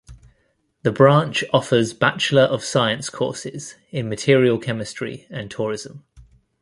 The branch offers Bachelor of Science courses in material chemistry and tourism.